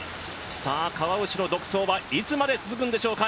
川内の独走はいつまで続くんでしょうか。